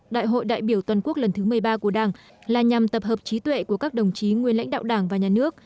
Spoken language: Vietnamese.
đại hội đại biểu toàn quốc lần thứ một mươi ba của đảng là nhằm tập hợp trí tuệ của các đồng chí nguyên lãnh đạo đảng và nhà nước